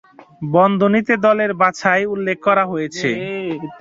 বন্ধনীতে দলের বাছাই উল্লেখ করা হয়েছে।